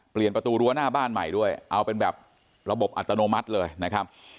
ประตูรั้วหน้าบ้านใหม่ด้วยเอาเป็นแบบระบบอัตโนมัติเลยนะครับ